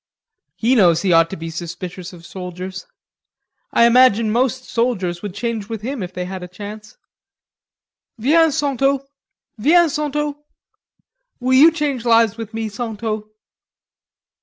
"He knows he ought to be suspicious of soldiers.... I imagine most soldiers would change with him if they had a chance.... Viens Santo, viens Santo.... Will you change lives with me, Santo?"